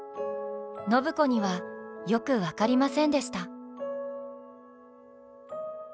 暢子にはよく分かりませんでした。